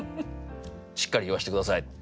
しっかり言わせて下さい。